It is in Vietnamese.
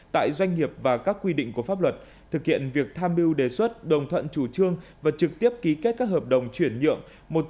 tại doanh nghiệp và các quy định của pháp luật thực hiện việc tham mưu đề xuất đồng thuận chủ trương và trực tiếp ký kết các hợp đồng chuyển nhượng